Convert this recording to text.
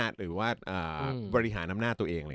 หรือว่าบริหารน้ำหน้าตัวเอง